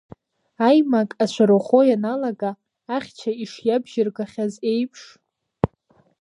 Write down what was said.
Аимак аҽарыӷәӷәо ианалага, ахьча ишиабжьыргахьаз еиԥш…